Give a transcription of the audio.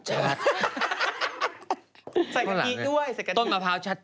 ใส่กะทิด้วยใส่กะต้นมะพร้าวชัด